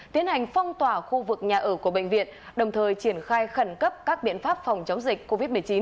tiến hành phong tỏa khu vực nhà ở của bệnh viện đồng thời triển khai khẩn cấp các biện pháp phòng chống dịch covid một mươi chín